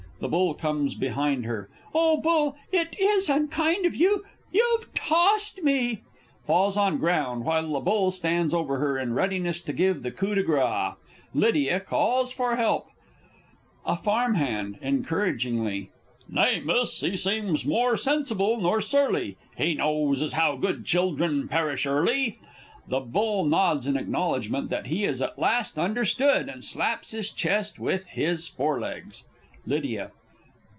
[The Bull comes behind her. Oh, Bull, it is unkind of you ... you've tossed me! [Falls on ground, while the Bull stands over her, in readiness to give the coup de grace; LYDIA calls for help. A Farm hand (encouragingly). Nay, Miss, he seems moor sensible nor surly He knows as how good children perish early! [The Bull nods in acknowledgment that he is at last understood, and slaps his chest with his forelegs. _Lydia.